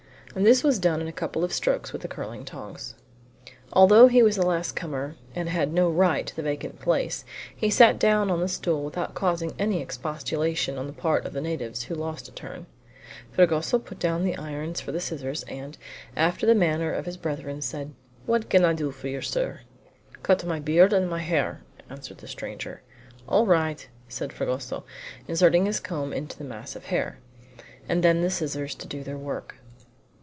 And this was done in a couple of strokes with the curling tongs. Although he was the last comer, and had no right to the vacant place, he sat down on the stool without causing any expostulation on the part of the natives who lost a turn. Fragoso put down the irons for the scissors, and, after the manner of his brethren, said: "What can I do for you, sir?" "Cut my beard and my hair," answered the stranger. "All right!" said Fragoso, inserting his comb into the mass of hair. And then the scissors to do their work.